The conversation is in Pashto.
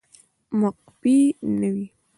مقفي نه وي